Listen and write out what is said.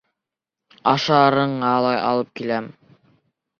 Ашарыңа ла алып киләм.